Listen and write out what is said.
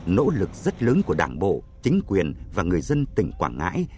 nỗ lực rất lớn của đảng bộ chính quyền và người dân tỉnh quảng ngãi